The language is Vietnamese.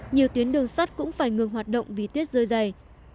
nhiều tuyến đường sắt cũng phải ngừng hoạt động vì tuyết rơi dày